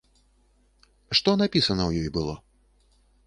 Што напісана ў ёй было?